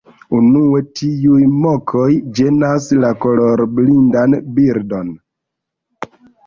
Unue, tiuj mokoj ĝenas la kolorblindan birdon.